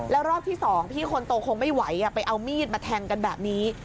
แล้วรอบที่๒พี่คนโตคงไม่ไหวไปเอามีดมาแทงกันแบบนี้